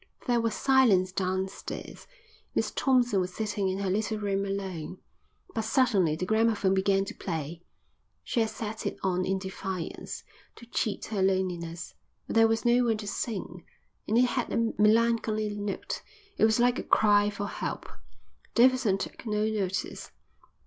There was silence downstairs. Miss Thompson was sitting in her little room alone. But suddenly the gramophone began to play. She had set it on in defiance, to cheat her loneliness, but there was no one to sing, and it had a melancholy note. It was like a cry for help. Davidson took no notice.